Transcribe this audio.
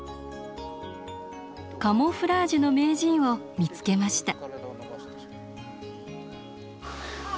カモフラージュの名人を見つけました。